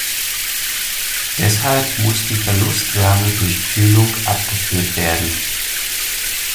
Deshalb muss die Verlustwärme durch Kühlung abgeführt werden.